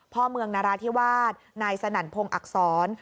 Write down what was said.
พ่อเมืองนาราธิวาสนายสนั่นพงศ์อักษร